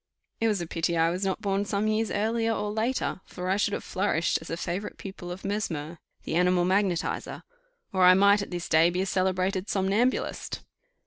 It was a pity that I was not born some years earlier or later, for I should have flourished a favourite pupil of Mesmer, the animal magnetizer, or I might at this day be a celebrated somnambulist.